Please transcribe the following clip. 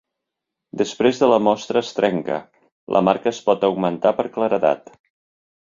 Després de la mostra es trenca, la marca es pot augmentar per claredat.